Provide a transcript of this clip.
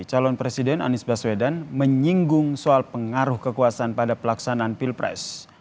calon presiden anies baswedan menyinggung soal pengaruh kekuasaan pada pelaksanaan pilpres